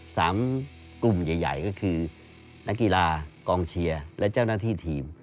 สามกลุ่มใหญ่ใหญ่ก็คือนักกีฬากองเชียร์และเจ้าหน้าที่ทีม